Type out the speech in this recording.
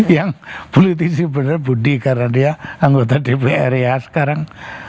yang politisi benar budi karena dia anggota dpr ya sekarang